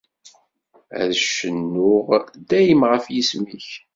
Ad cennuɣ dayem ɣef yisem-ik.